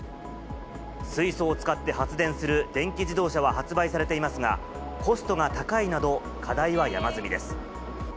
水素を使って発電する電気自動車は発売されていますが、コストが高いなど、課題は山積みです。